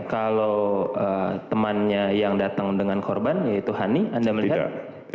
kalau temannya yang datang dengan korban yaitu hani anda melihat